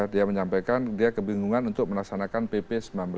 dia menyampaikan dia kebingungan untuk melaksanakan pp sembilan belas